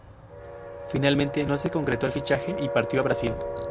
Finalmente no se concretó el fichaje y partió a Brasil.